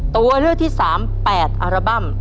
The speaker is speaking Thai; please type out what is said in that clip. ตัวเลือกที่๓๘อัลบั้ม